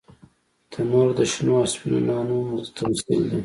تنور د شنو او سپینو نانو تمثیل دی